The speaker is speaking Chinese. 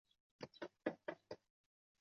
洛克威大道车站列车服务。